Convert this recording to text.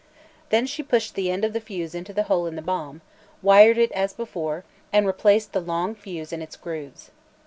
Then she pushed the end of the fuse into the hole in the bomb, wired it as before, and replaced the long fuse in its grooves.